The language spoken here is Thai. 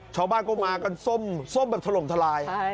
ชาวบ้านก็มากันส้มแบบถล่มทลาย